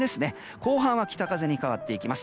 後半は北風に変わっていきます。